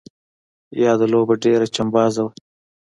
یاده لوبه ډېره چمبازه وه.